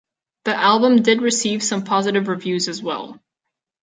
The album did receive some positive reviews as well.